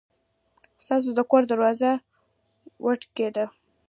ستاسو د کور دروازه وټکېده!